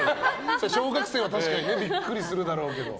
小学生は確かにビックリするだろうけど。